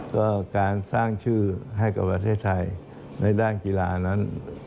ก็การสร้างชื่อให้กับประเทศไทยในด้านกีฬานั้น